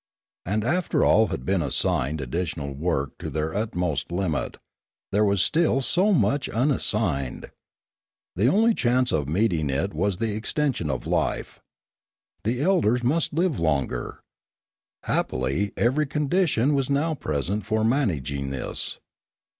And after all had been assigned addi tional work to their utmost limit, there was still so much unassigned. The only chance of meeting it was the extension of life. The elders must live longer. Happily every condition was now present for managing this.